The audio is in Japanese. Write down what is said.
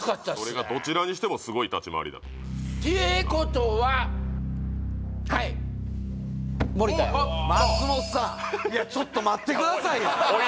それがどちらにしてもすごい立ち回りだとってことははい森田や松本さんいやちょっと待ってくださいよ